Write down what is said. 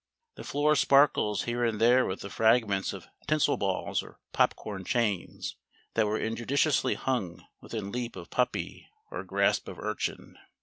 The floor sparkles here and there with the fragments of tinsel balls or popcorn chains that were injudiciously hung within leap of puppy or grasp of urchin.